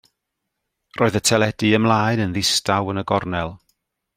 Roedd y teledu ymlaen yn ddistaw yn y gornel.